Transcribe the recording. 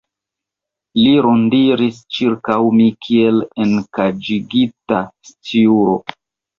Li rondiris ĉirkaŭ mi, kiel enkaĝigita sciuro.